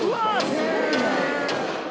すごいな。